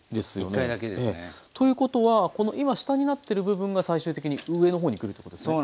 １回だけですね。ということは今下になってる部分が最終的に上の方にくるということですね？